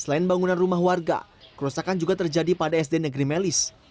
selain bangunan rumah warga kerusakan juga terjadi pada sd negeri melis